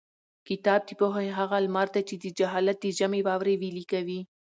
کتاب د پوهې هغه لمر دی چې د جهالت د ژمي واورې ویلي کوي.